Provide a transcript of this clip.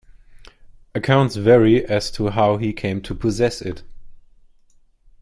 Accounts vary as to how he came to possess it.